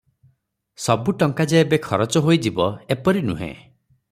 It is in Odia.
ସବୁ ଟଙ୍କା ଯେ ଏବେ ଖରଚ ହୋଇଯିବ; ଏପରି ନୁହେଁ ।